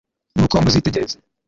nuko muzitegereze